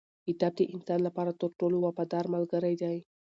کتاب د انسان لپاره تر ټولو وفادار ملګری دی